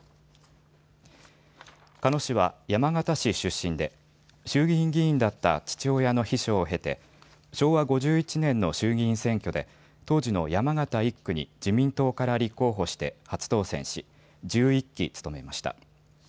鹿野氏は山形市出身で衆議院議員だった父親の秘書を経て昭和５１年の衆議院選挙で当時の山形１区に自民党から立候補して初当選し、１１期務めました。